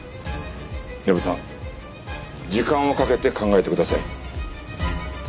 根布さん時間をかけて考えてください。